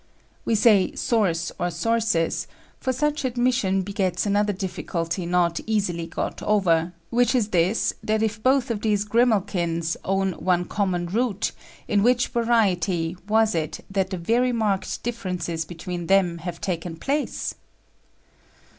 We say source or sources, for such admission begets another difficulty not easily got over, which is this, that if both of these grimalkins own one common root, in which variety was it that the very marked differences between them have taken place?